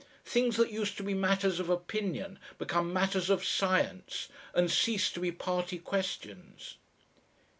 Things that used to be matters of opinion become matters of science and cease to be party questions."